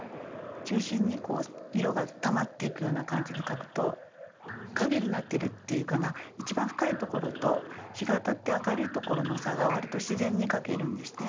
中心に色がたまっていくような感じで描くと影になってるっていうかな一番深いところと日が当たって明るいところの差がわりと自然に描けるんですね。